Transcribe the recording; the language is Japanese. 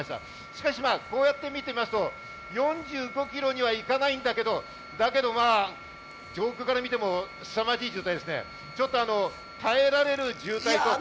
しかしこうやって見てみますと４５キロには行かないんだけど、だけど、まぁ上空から見ても、すさまじいというか、ちょっと耐えられる渋滞とは。